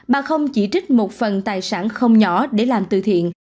bà không chỉ trích một phần tài sản không nhỏ để làm từ thiện